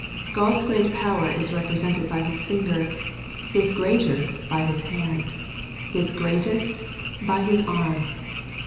" Gk)d's great power is represented by His finger, — His greater by His hand, — His greatest by His arm.